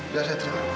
sudah saya terima